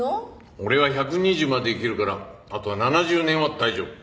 俺は１２０まで生きるからあと７０年は大丈夫。